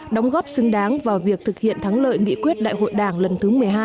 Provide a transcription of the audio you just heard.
đóng góp xứng đáng vào việc thực hiện thắng lợi nghị quyết đại hội đảng lần thứ một mươi hai